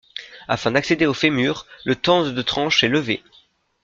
Afin d'accéder au fémur, le tende de tranche est levé.